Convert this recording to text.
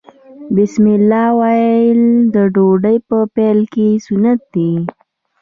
بسم الله ویل د ډوډۍ په پیل کې سنت دي.